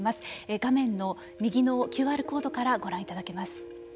画面の右のＱＲコードからご覧いただけます。